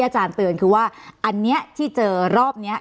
อาจารย์เตือนคือว่าอันนี้ที่เจอรอบนี้